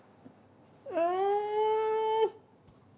うん！